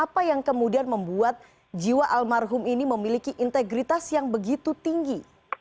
apa yang kemudian membuat jiwa almarhum ini memiliki integritas yang begitu tinggi